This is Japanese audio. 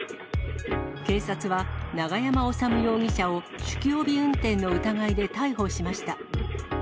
警察は永山修容疑者を、酒気帯び運転の疑いで逮捕しました。